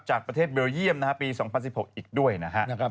จากประเทศเวียร์เยี่ยมนะครับปี๒๐๑๖อีกด้วยนะฮะ